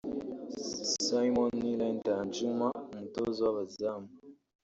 Simon Nlend Anjouma (Umutoza w’abazamu)